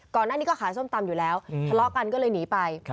ก่อนหน้านี้ก็ขายส้มตำอยู่แล้วทะเลาะกันก็เลยหนีไป